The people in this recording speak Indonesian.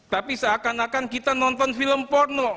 tapi seakan akan kita nonton film porno